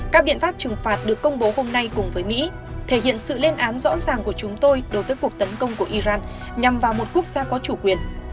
các biện pháp trừng phạt được công bố hôm nay cùng với mỹ thể hiện sự lên án rõ ràng của chúng tôi đối với cuộc tấn công của iran nhằm vào một quốc gia có chủ quyền